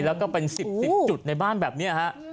และเป็นสิบจุดใบบ้านแบบนี้